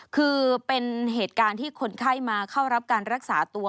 คือเป็นเหตุการณ์ที่คนไข้มาเข้ารับการรักษาตัว